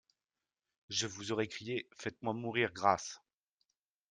Je vous aurais crié: — Faites-moi mourir, grâce!